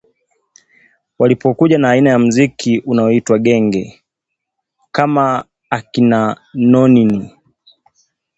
walipokuja na aina ya mziki unaoitwa ‘Genge’ kama akina Nonini